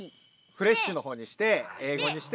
フレッシュのほうにして英語にして。